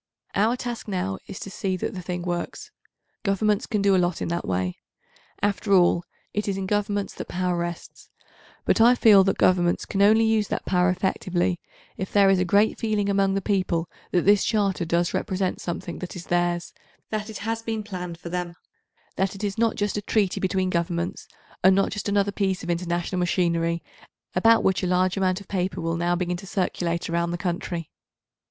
Our task now is to see that the thing works. Governments can do a lot in that way. After all, it is in Governments that power rests, but I feel that Governments can only use that power effectively if there is a great feeling among the people that this Charter does represent something that is theirs, that it has been planned for them, that it is not just a treaty between Governments and not just another piece of international machinery, about which a large amount of paper will now begin to circulate around the country.